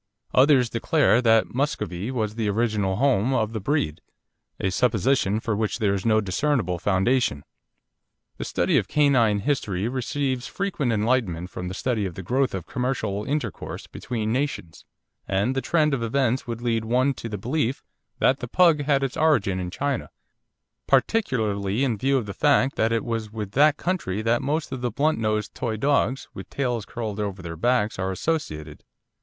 Others declare that Muscovy was the original home of the breed, a supposition for which there is no discernible foundation. The study of canine history receives frequent enlightenment from the study of the growth of commercial intercourse between nations, and the trend of events would lead one to the belief that the Pug had its origin in China, particularly in view of the fact that it is with that country that most of the blunt nosed toy dogs, with tails curled over their backs, are associated.